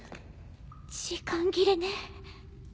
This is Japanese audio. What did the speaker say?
時間切れね。